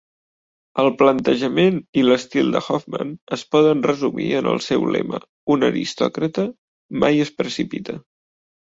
El plantejament i l'estil de Hofmann es poden resumir en el seu lema "un aristòcrata mai es precipita".